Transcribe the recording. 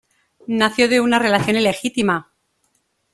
Nació de una relación ilegítima.